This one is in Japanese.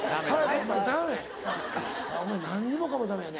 お前何もかもダメやね。